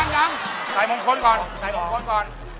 ใส่มงคลก่อน